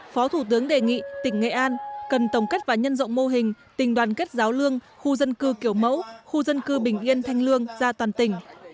phó thủ tướng đề nghị tỉnh nghệ an cần tổng kết và nhân rộng mô hình tình đoàn kết giáo lương khu dân cư kiểu mẫu khu dân cư bình yên thanh lương ra toàn tỉnh